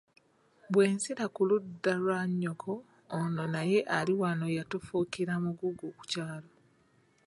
Bwe nzira ku ludda lwa nnyoko ono naye ali wano yatufuukira mugugu ku kyalo.